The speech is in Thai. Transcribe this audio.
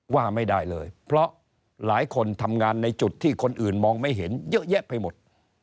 ว่าไม่ได้เลยเพราะหลายคนทำงานในจุดที่คนอื่นมองไม่เห็นเยอะแยะไปหมด